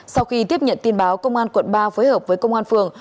sau khi tiếp nhận tin báo công an quận ba phối hợp với công an phường